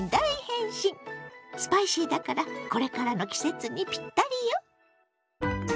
スパイシーだからこれからの季節にピッタリよ！